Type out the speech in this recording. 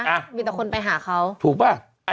อ่ะมีแต่คนไปหาเขาถูกป่ะ